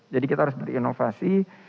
jadi kita harus berinovasi